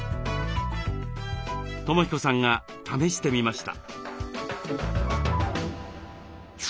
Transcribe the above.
友彦さんが試してみました。